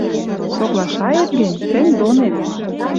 Соглашает гӹнь, тӹнь донет